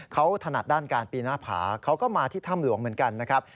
เขาถนัดด้านการปีหน้าผาเขาก็มาที่ถ้ำหลวงเหมือนกันนะครับ